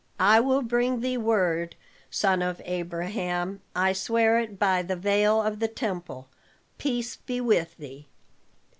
"I will bring thee word, son of Abraham, I swear it by the veil of the Temple. Peace be with thee."